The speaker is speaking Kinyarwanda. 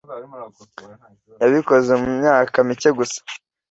Yabikoze mu myaka mike gusa.